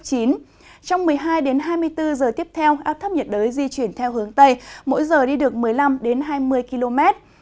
trong một mươi hai hai mươi bốn giờ tiếp theo áp thấp nhiệt đới di chuyển theo hướng tây mỗi giờ đi được một mươi năm hai mươi km